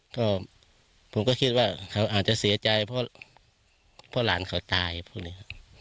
ก็ผมก็คิดว่าเขาอาจจะเสียใจเพราะหลานเขาตายพวกนี้ครับ